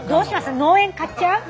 農園買っちゃう？